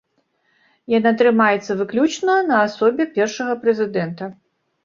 Яна трымаецца выключна на асобе першага прэзідэнта.